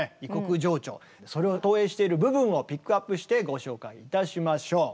それを投影している部分をピックアップしてご紹介いたしましょう。